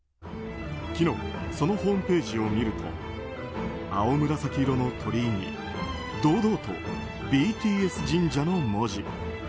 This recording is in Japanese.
昨日、そのホームページを見ると青紫色の鳥居に堂々とＢＴＳ神社の文字。